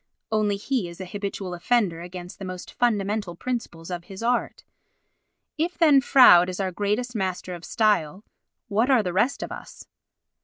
only he is an habitual offender against the most fundamental principles of his art. If then Froude is our greatest master of style, what are the rest of us?